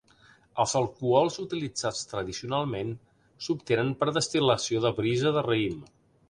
Els alcohols utilitzats tradicionalment s'obtenen per destil·lació de brisa de raïm.